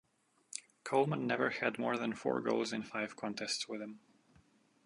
Coleman never had more than four goals in five contests with him.